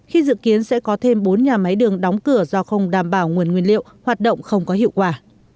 khi dự kiến sẽ có thêm bốn nhà máy đường đóng cửa do không đảm bảo nguồn nguyên liệu hoạt động không có hiệu quả